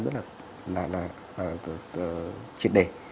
rất là triệt để